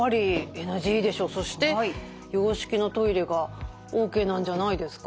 そして洋式のトイレがＯＫなんじゃないですか？